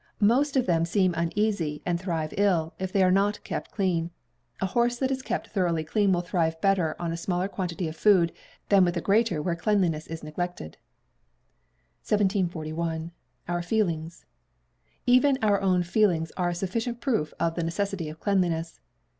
Most of them seem uneasy, and thrive ill, if they be not kept clean. A horse that is kept thoroughly clean will thrive better on a smaller quantity of food, than with a greater where cleanliness is neglected. 1741. Our Feelings. Even our own feelings are a sufficient proof of the necessity of cleanliness.